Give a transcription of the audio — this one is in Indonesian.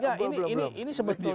ya ini sebetulnya